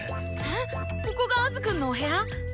ここがアズくんのお部屋⁉ほほぉ。